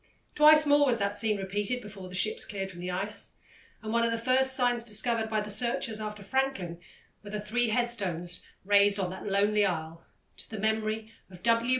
Twice more was that scene repeated before the ships cleared from the ice, and one of the first signs discovered by the searchers after Franklin were the three headstones raised on that lonely isle to the memory of W.